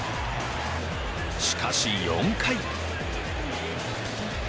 しかし、４回。